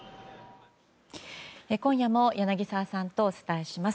今夜も柳澤さんとお伝えします。